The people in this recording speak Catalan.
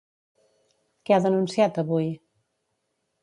Què ha denunciat avui?